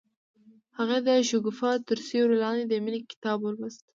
هغې د شګوفه تر سیوري لاندې د مینې کتاب ولوست.